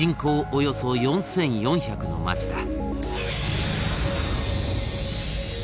およそ４，４００の町だ。